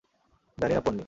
জানি না, পোন্নি।